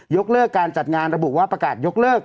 ยกเลิกการจัดงานระบุว่าประกาศยกเลิก